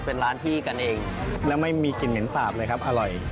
เป็นร้านที่กันเองแล้วไม่มีกลิ่นเหม็นสาบเลยครับอร่อย